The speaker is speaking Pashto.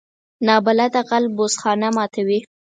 نابلده غل بوس خانه ماتوي